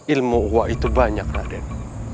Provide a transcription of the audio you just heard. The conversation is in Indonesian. ilmu uwa itu banyak raden